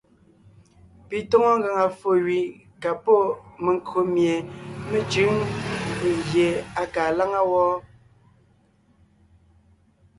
Pi tóŋo ngàŋa ffo gẅi ka pɔ́ menkÿo mie mé cʉ̂ŋ fʉʼ gie á kaa láŋa wɔ́.